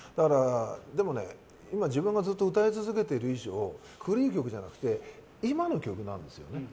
でも、今自分が歌い続けている以上古い曲じゃなくて今の曲なんですよ。